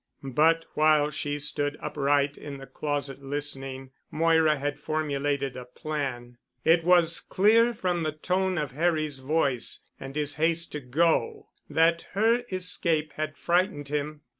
But while she stood upright in the closet listening, Moira had formulated a plan. It was clear from the tone of Harry's voice and his haste to go that her escape had frightened him.